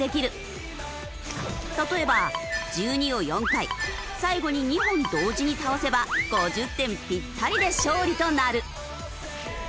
例えば１２を４回最後に２本同時に倒せば５０点ぴったりで勝利となる。